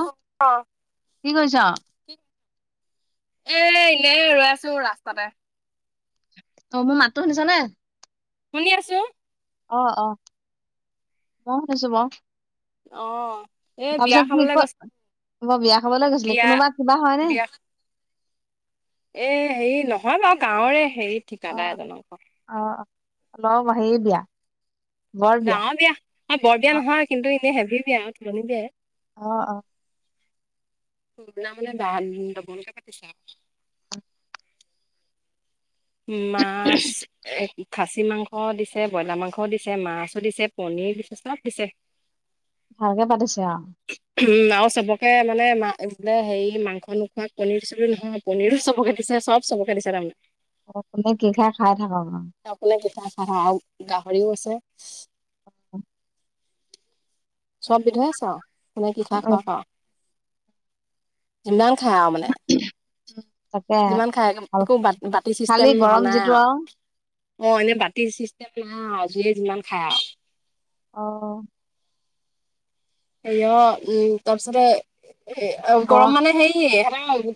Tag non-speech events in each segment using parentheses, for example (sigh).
অ কি কৰিছ? এ এনেই ৰৈ আছো ৰাস্তাতে তই মোৰ মাততো শুনিছ নাই শুনি আছো। অ' অ মই শুনিছো বাও অ এ বিয়া তাৰপিছত কি খাবলৈ কত গৈছে কবাত বিয়া খাবলৈ গৈছিলি বিয়া কোনোবা কিবা হয়নে বিয়া এ হেৰি নহয় বাৰু গাঁৱৰে হেৰি ঠিকাদাৰ এজনক অ অ লভ হেৰি বিয়া। বৰ বিয়া। ডাঙৰ বিয়া বৰ বিয়া অ নহয় কিন্তু এনেই হেভি বিয়া আৰু তুলনি বিয়া অ অ (unintelligible) মাছ এক খাচী মাংস দিছে ব্ৰইলাৰ মাংস দিছে মাছো দিছে পনীৰ দিছে, চব দিছে ভালকে পাতিছে আও উম আও চবকে মানে মা মানে হেৰি মাংস নোখোৱা পণীৰচনিৰ নহয় পনীৰো চবকে দিছে চব চবকে দিছে তাৰমানে। অ কোনে কি খাই খাই থাকক আৱ অ কোনে কি খাই খাই থাকক আও গাহৰিও আছে চব বিধৰ আছে আও কোনে কি খাই খাই অ। খাওক আও যিমান খাই আৰু মানে। তাকে যিমান খাই একো বাত বাতি খালি চিষ্টেম নহ গৰম নাই যিটো আৰু আও। অ এনেই বাতি চিষ্টেম নাই যে যিমান খাই আৱ অহ হেৰি অ উম তাৰপিছতে গৰম মানে হেৰি সেত উম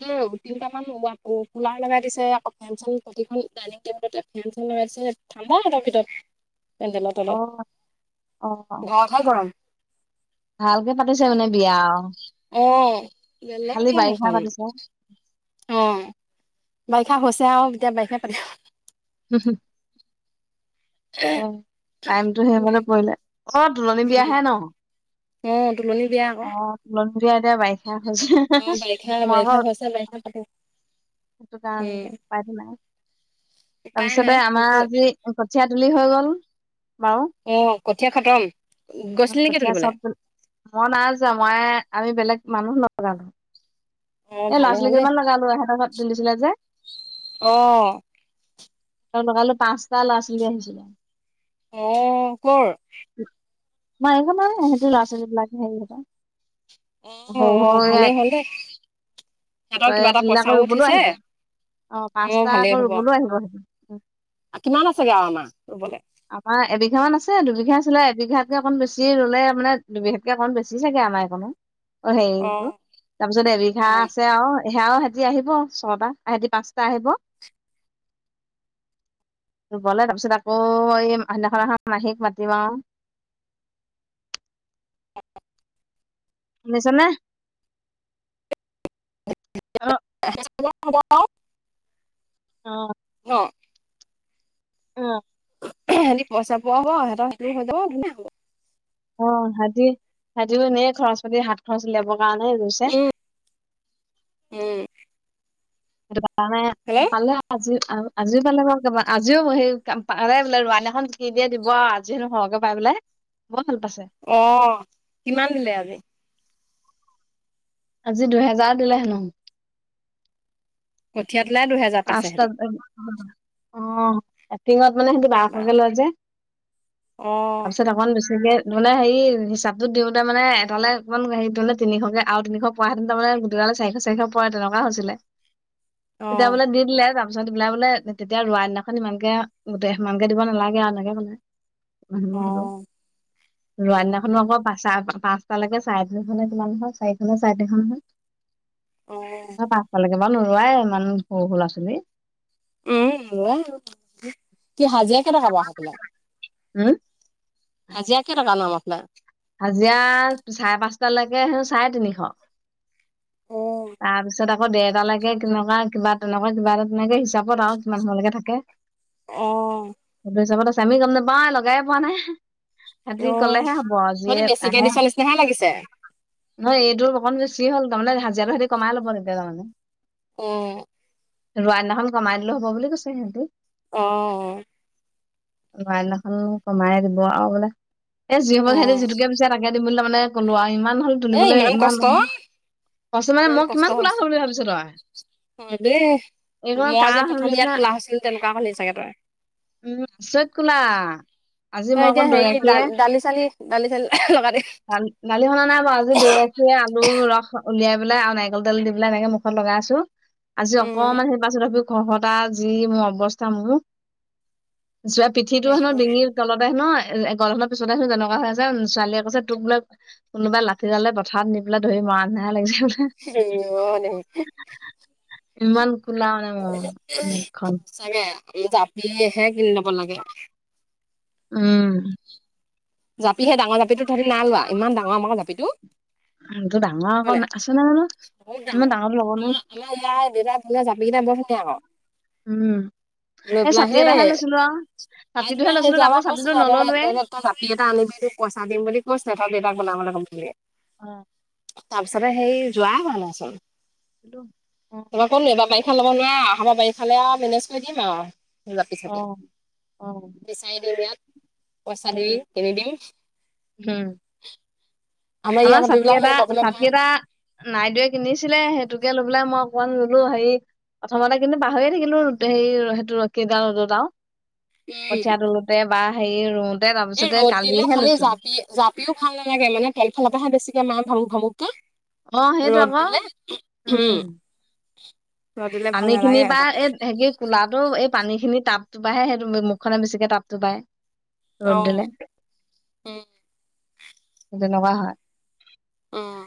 তিনটামান কু কুলাৰ লগাই দিছে আকৌ ফেন চেন প্ৰতিখন ডাইনিং টেবুলতে ফেন চেন লগাই দিছে ঠাণ্ডা সিহঁতৰ ভিতৰত ফেনৰ অ তলত অ। ধাৰা খাৰ গৰম ভালকে পাতিছে মানে বিয়া আৱ অ বেলেগ বিয়া সেইখন পাতিছে। অ বাৰিষা হৈছে আৱ এতিয়া বাৰিষা পা হুম হুম এ টাইমটো সেইমতে পৰিলে অ তুলনি উম বিয়াহে ন অ তুলনি বিয়া আক তুলনি বিয়া এতিয়া বাৰিষা হৈছে বাৰিষা মই বাৰিষা আকৌ হৈছে বাৰিষা পাতো সেইটো কাৰণে উম দে উপায়টো নাই উপায় নাই তাৰপিছতে আমাৰ কিন্তু আজি কঠীয়া তুলি হৈ গল বাৰু। অ কঠীয়া খতম? গৈছিলি নেকি কঠীয়া তুলিবলে চব, মই নাইযোৱা মই আমি বেলেগ মানুহ লগালো। অ এ ল'ৰা ভালে ছোৱালী হ'ল দেই কেইমান লগালো এহঁতৰ ঘৰত তুলিছিলে যে। অহহ। ত লগালো পাঁচটা ল'ৰা ছোৱালী আহিছিলে। অ কৰ? আমাৰ এই, হেঁতৰ ল'ৰা ছোৱালী বিলাকে হেৰি হতৰ। অ অ ভালেই হল দেই। সিহঁতৰ হাতৰে কিবা এটা তুলিলে আকৌ পইচাও ৰুবলৈও উঠিছে, আহিব অ পাঁচটা আকৌ ভালেই হব। ৰুবলৈও আহিব সেইটো কিমান আছেগে আৰু আমাৰ ৰুবলৈ? আমাৰ এবিঘা মান আছে দুবিঘা আছিলে এবিঘাতকে অকন বেছি ৰুলে মানে দুবিঘাত কে অকণ বেছি চাগে আমাৰ এইকনো অ হেৰিটো তাৰপিছত এবিঘা উম আছে আৰু। সেয়াও হেঁতি আহিব ছটা সিহঁতি পাঁচটা আহিব। ৰুবলে তাৰপিছত আকৌ এই সেইদিনাখন আহা মাহীক মাতিম আৰু। শুনিছানে? অ (unintelligible) অঁ। ন উম সিহঁতি পইচা পোৱা হ'ব, সিহঁতি (unintelligible) অ' ভাইতি ভিইতিয়েতো এনেই খৰচ পাতি হাত খৰচ উলিয়াবৰ কাৰণে ৰুৈছে। উম। আজি পালে নে? হেল্ল' পালে আৰু। আজি আজিও পালে বাৰু, আজিও সেই পালে বোলে ৰোৱা দিনাখন কি দিয়ে দিব আও। আজি হেনো সৰহকে পাই বোলে, বৰ ভাল পাইছে। অ কিমান দিলে আজি? আজি দুহেজাৰ দিলে হেনো। কঠিয়া তোলাই দুহেজাৰ? পাইছে সিহঁতি পাঁচটাত (unintelligible) অঁ। এক্টিঙত মানে সিহঁতি বা বাৰশকে লয় যে। অ তাৰপিছত অকন বেছিকে মানে হেৰি হিচাপটো দিওঁতে মানে এটালৈ অকমান তিনিশকে আৰু তিনিশ পৰা হেঁতেন তাৰমানে গোটেই কেইটালে চাৰিশ চাৰিশ পৰা তেনেকুৱা হৈছিলে। অ তেতিয়া বোলে দি দিলে যা তাৰপিছত ওলাই বোলে তেতিয়া ৰোৱা দিনাখন ইমানকে গো ইমানকে দিব নালাগে আৰু এনেকে কলে। ৰোৱা অ অ দিনাখনো আকৌ বা চা পাঁচ টালেকে চাৰে তিনিখলে কিমান হয়? চাৰে তিনিশ চাৰে তিনিশ কে। অঁ। পাঁচটালৈকে বাৰু নোৰুৱাই ইমান সৰু সৰু লৰা ছোৱালী। উম নোৰুৱাই। কি হাজিৰা কেইটকা বাৰু সেইফালে? উম, হাজিৰা কেইটকানো আপোনাৰ ফালে? হাজিৰা চাৰে পাঁচটালৈকে হে চাৰে তিনিশ। অ', তাৰপিছত আকৌ দেৰটা লাগে কেনেকুৱা কিবা তেনেকুৱা কিবা এটা তেনেকে হিচাপত আৰু কিমান সময়লৈকে থাকে। অঁহ। সেইটো হিচাপত আছে আমি গম নাপাাই লগাইে পোৱা সিহঁতি কলেহে হ'ব। এ তহঁতি বেছিকে আহে। দিছ নিচিনাহে লাগিছে নহয় এইটোৰ অকন বেছি হ'ল তাৰমানে হাজিৰাটো সিহতি কমাই ল'ব তেতিয়া তাৰমানে। উমঁ! ৰোৱ নহল কমাই দিলেওঁ হ'ব বুলি কৈছে সিহঁতি। অঁ অঁ! লোৱাদিনাখন কমাই দিব আৰু বোলে এই যি অ হবৰ সহতিতে যিটো- তাকে দিম বুলি তামানে কলো মানে কলো উৱা ইমান হ'ল। এ তুলিবলৈ ইমান কষ্ট কছে মানে মই কিমান খোলা হ'ল বুলি ভাবিছ তই। অঁ দেই এইকণ মই যে কাৰ প্ৰথম ইয়াত নিচিনা ক'লা হৈছিলো তেনেকুৱা হ'লি চাগে তই। উমঁ আচৰিত কোলা। আজি তই মই এতিয়া অকণ দৈ হেৰি গাখীৰে দালি চালি দালি চালি লগাই দিম- দালি দালি সনা নাই বাৰু আজি দৈ গাখীৰ আলু ৰস উলিয়াই পেলাই আৰু নাৰিকল তেল দি পেলাই এনেকে মূখ- ফোন লগাই আছো। আজি উম অকমান সেই পাছত তি খহতা যি মোৰ অৱস্থা মোৰ। যয়া পিঠিটো হেনো ডিঙিৰ তলতে হেনো এ গলধনৰ পিছতে হেনো যেনেকুৱা হৈ আছে। যে ছোৱালীয়ে কৈছে তোক বোলে কোনোবা লাঠিডালে পথাৰত নি পেলাই ধৰি মৰা নিচিনাহে লাগিছে বোলে। হো অ', দেহি ইমান কোলা মানে ম মুখখন। চাগে জাপিহে কিনি ল'ব লাগে। উমঁ! জাপি সেই ডাঙৰ জাপিটো তহঁতি না লোৱা ইমান ডাঙৰ আমাৰৰ আক জাপিটো। সিহঁতৰ ডাঙৰ আকৌ আছে নাই জানো ইমান ডাঙৰটো ল'ব নোৱাও। ইয়াৰ ইয়াৰ দেউতা বনোৱা জাপি কেইটা বৰ ধুনীয়া ক। উমঁ। লৈ পেলাই হে আইটু বা ছাতিটোহে লৈছিলো সেইটো তাকো আৰু ছাতিটো কৈছিলে। নললোৱে তই জাপি এটা আনিবি তোক পইচা দিম বুলি কৈছে তই দেউতাক বনাবলৈ ক'ম বুলি। আঁহ'। তাৰপিছতে সেই যোৱাই হোৱা নাইচোন। হেলৌ! এবাৰ কতনো বাৰিষা ল'ব নোৱাৰা আমা বাৰিষালে আৰু মেনেজ কৰি দিম আও। জাপি অ চাপি অ অ বিচাৰি দিম ইয়াত পইচা দিবি কিনি দিম। হোম! আমাৰ ইয়াত আমৰ ছাতি জাপিবিলাক সেই এটা ল'বলৈ ছাতি ভাল এটা - নাইদেৱে কিনিছিলে সেইটোকে মই অকমান ললোঁ হেৰি- প্ৰথমতে কিন্তু পাহৰি থাকিলো সে সেইটো ৰকিদাল ৰ'দত আও- উম কঠিয়া তোলোতে বা হেৰি ৰুওঁতে তাৰ এই পিছতে ৰ'দ দিলে কালিহে খালি লৈছোঁ। জাপি জাপিও ভাল নালাগে মানে তলফলতহে বেছিকে মাৰে ভামুক ভামুকে। অঁ সেইটো আকৌ উম উমঁ! ৰ'দ দিলে ভাল পানী খিনি নালাগে বা জাপি এ ধেকিক কোলাটো এই পানী খিনি টাবটোপাইহে সেইটো মুখনে বেছিকে টাবটোপাই ৰ'দ অ দিলে। উম, তেনেকুৱা হয়। উমঁ!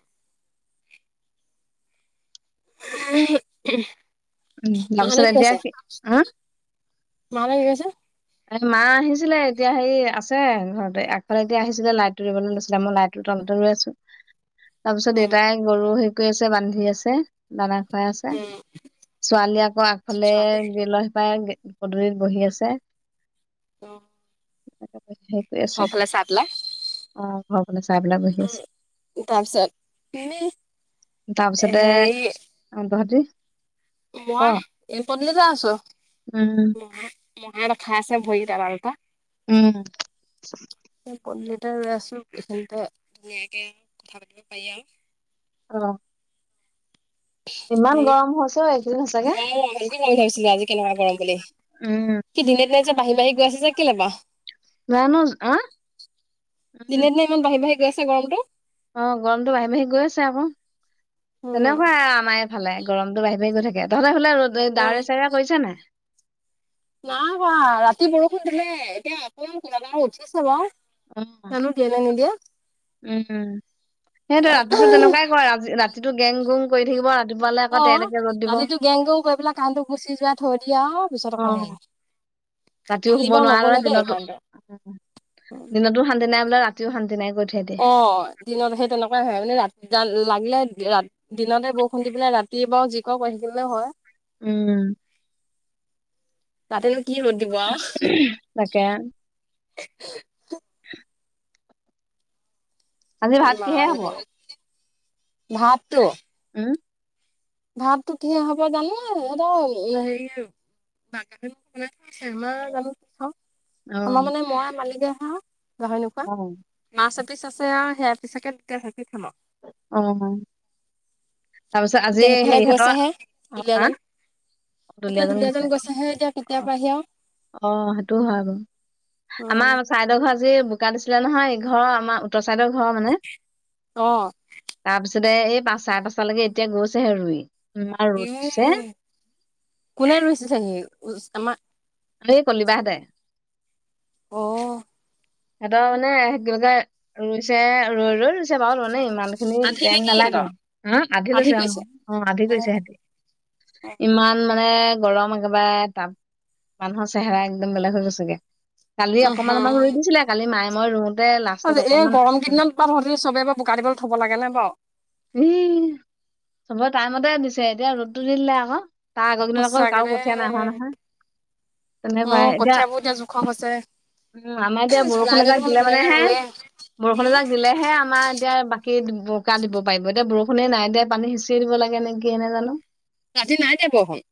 ওহোঁ ওম উম, মাহতে তাৰপিছত কি এতিয়া কৈছে হা মাহতে কি কৈছে? এ মা আহিছিলে এতিয়া হেৰী আছে ঘৰতে আগফালেদি আহিছিলে লাইট ত দিবলৈ লৈছিলে মোৰ লাইট- চোতালতে ৰৈ আছোঁ তাৰ পিছত উম, দেউতাই গৰু হেৰি কৰি আছে বান্ধি আছে। দানা খোৱাই আছে উম, ছোৱালীয়ে আকৌ আগফালে ছোৱালী গ্ৰীলৰ সিপাৰে পদূলিত বহি আছে। অ সেইটোৱে আছে সৌফালে ছাঁত ওলাই অহ ঘৰৰ ফালে চাই পেলাই বহি আছে তাৰপিছত তুমি হেৰি অ বাহঁতি মই এই পদূলিতে আছো উম মহা মহা ৰথা আছে ভৰিকেইটা ফালপা উম পদূলিতে ৰৈ আছো এইখিনিতে ধুনীয়াকে কথা পাতিব পাৰি আও অ ইমান হেৰি গৰম হৈছে এইকেইদিন সঁচাকে অ সেইটো ক'ম ভাবিছিলো আজি কেনেকোৱা গৰম বুলি উম কি দিনে দিনে যে বাঢ়ি বাঢ়ি গৈ আছে যে কেলে বাও মানুজ অ দিনে দিনে ইমান বাঢি বাঢ়ি গৈ আছে গৰমতো অ গৰমতো বাঢ়ি বাঢ়ি গৈ আছে আকৌ উম, তেনেকোৱাই আমাৰ এই ফালে গৰমতো বাঢ়ি বাঢ়ি গৈ থাকে তহঁতৰ এফালে ৰদ এ উম, ডাৱৰীয়া চাউৰীয়া কৰিছে নে নাই নাই হোৱা ৰাতি বৰষুণ দিলে এতিয়া অকমান কুলাকে মো উঠিছে বাও উম উম সেইটোৱে ৰাতিটো তেনেকোৱাই কৰে ৰা ৰাতি যিটো গেং গুম কৰি থাকিব ৰাতিপুৱালে আকৌ অ তেৰতেকে ৰ'দ দিব। ৰাতিটো গেংগেও কৰি পেলাই কাৰেণ্টটো গুচি যোৱা থৈ দিয়া আৰু পিছত অ, আক হেই ৰাতিও শুব নোৱাৰিলে দিনতো দিনতো শান্তি নাই বোলে ৰাতিও শান্তি নাই কৰি থৈ দিয়ে অ দিনত সেই তেনেকোৱাই হয় মানে ৰা লাগিলে ৰা দিনতে বৰষুণ দি পেলাই ৰাতি বাৰু যি কৰ কৰি থাকিলেও হয়। উম ৰাতিনো কি বনি উমহ তাকে। উহ ভাত কিহে ইমান হ'ব? গৰম ভাতটো উম ভাতটো কিহে হ'ব জানো এটা হেৰি (unintelligible) অ আমাৰ অ', মানে মই আও মালিকেহে গাহৰি অ, নোখোৱা মাছ এপিচ আছে আও সেয়াপিচকে দুটাই ভাজি খাম আও। অ তাৰপিছত এতিয়া আজি সেইফালে হেৰিহঁতৰ গৈছেহে অ হা এপিনে দুলীয়াজান গৈছে হে এতিয়া কেতিয়া অ', পাইহি আও অ' সেইটোও হয় বাও উম। আমাৰ চাইদৰ ঘৰ আজি বোকা দিছিলে নহয়, ইঘৰৰ আমাৰ চাইডৰ ঘৰ মানে অ', তাৰ পিছতে এই পাঁচ চাৰে পাঁচটালৈকে এতিয়া গৈছেহে ৰুই ইমান ৰ'দ ইউ দিছে। মো কোনে ৰুইছে চাগি আমাৰ সেই কলিবাহঁতে অ সিহঁতৰ মানে কি কয় ৰুইছে ৰৈ, ৰৈ ৰুইছে বাৰু ত মানে ইমান খিনি আধি টাইম নেকি নালাগে ইহঁতৰ হ আধি লৈছে আহ অ', আধি গৈছে সিহতি। ইমান মানে গৰম একেবাৰে তাপ মানুহৰ চেহেৰা একদম বেলেগ হৈ গৈছেগে কালি উম অকমান অমাক ৰুই হুম। দিছিলে কালি মায়ে মই ৰুও এই গৰম কেইদিনত প ধৰ চবে বোকা দিবলৈ থ'ব লাগে নে বাও। ই, চবৰে টাইমতে দিছে এতিয়া ৰ'দটো দি দিলে আকৌ। তাৰ আগৰ কিদিনত আকৌ সঁচাকে কাৰো দেই কঠিয়া নাই হোৱা নহয়। অ', কঠিয়াবোৰ এতিয়া জোখ হৈছে। উম, আমাৰ এতিয়া বৰষুণ জুলাইতে এজাক দেখোন দিলে মানে ধুনীয়াকে হে ৰুৱে। বৰষুণ এজাক দিলে হে আমাৰ এতিয়া বাকী বকা দিব পাৰিব এতিয়া বৰষুণে নাই এতিয়া পানী সিঁচিয়ে দিব লাগে নেকি। কি নেজানো। ৰাতি নাই দিয়া বৰষুণ।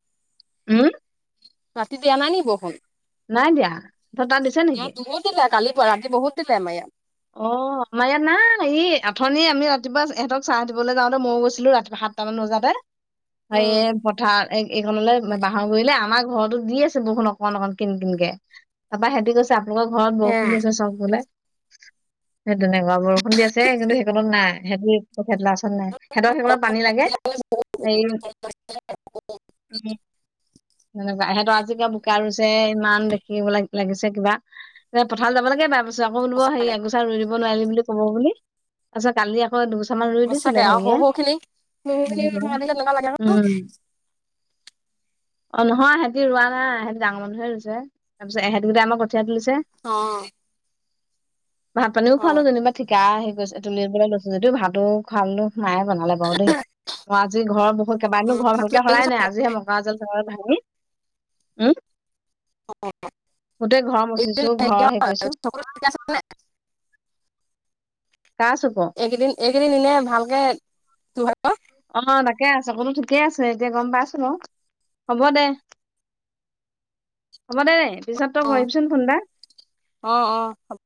উম। ৰাতি দিয়া নাই নি বৰষুণ। নাই দিয়া ত তাত দিছে নেকি। ইয়াত বহুত দিলে কালি পৰা ৰাতি বহুত দিলে আমাৰ ইয়াত। অহ। আমাৰ ইয়াত নাই ই অথনি আমি ৰাতিপুৱা ইহঁতক চাহ দিবলৈ যাওঁতে ময়ো গৈছিলোঁ ৰাতিপুৱা সাতটামান বজাতে উম, (unintelligible) পথাৰ এইখনলৈ বাহৰ গুৰিলে আমাৰ ঘৰতো দি আছে বৰষুণ অকমান অকমান কিন কিনকে। তাৰপা সিহঁতে কৈছে, আপোনালোকৰ ঘৰত এয়া বৰষুণ দি আছে চাওক বোলে। সেই তেনেকুৱা বৰষুণ দি আছে, হে কিন্তু সেইকণত নাই, হেৰি নাই সিহঁতৰ সেইটোক পানী লাগে হে উম এনেকুৱা ইহঁতৰ আজিকা ছে ইমান দেখিব লাগিছে লাগিছে কিবা এ পথাৰত যাব লাগে বাৰ পিছত আকৌ বোলে হে ত ৰুই দিব নোৱাৰিলিম বুলি ক'ব বুলি তাৰিছত কালি আকৌ দুবছৰান ৰুই সঁচাকে দিছিলে আৰু সৰু হেৰিয়ে সৰুখিনি উম (unintelligible) (inaudible) অ', নহয় সিহঁতি ৰোৱা নাই সিহঁতি ডাঙৰ মানুহে হৈছে তাৰপিছত ইহঁতি গিটাই আমাৰ কঠিয়া তুলিছে। অ'। ভাত পানীও খোৱালো যেনিবা ঠিকা হেৰিছে তুলিবলৈ লৈছোঁ যদিও ভাতো খোৱালো। মায়ে বনালে বাৰু দেই মই আজি ঘৰ বহুত কেইবাদিনো উম, ঘৰ তো ভালকে এইকেইদিন হৰাই নাই চব- আজিহে ম মকৰাজাল থ (unintelligible) ভাঙি উম। গোটেই ঘৰ মচিছো এইকেইদিন ঘৰ হেৰিয়া হেই কৰিছোঁ। (unintelligible) কাৰ চুকৰ এইকেইদিন, এইকেইদিন এনে ভালকে (unintelligible) অ', তাকে আছে চকুলো ঠিকে আছে এতিয়া গ'ম পাইছোঁ বাৰু হ'ব দে। হ'ব দে, পিছত তই অ', কৰিবিচোন ফোন এটা। অ', অ'।